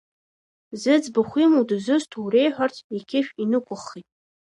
Зыӡбахә имоу дызусҭоу реиҳәарц иқьышә инықәыххит.